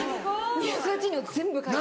２０８人を全部書いて。